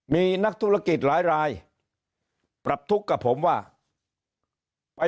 มีนักธุรกิจหลายรายปรับทุกข์กับผมว่าไป